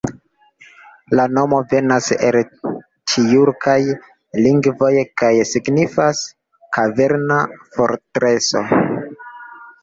La nomo venas el tjurkaj lingvoj kaj signifas "kaverna fortreso".